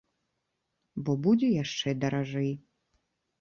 Бо будзе яшчэ даражэй.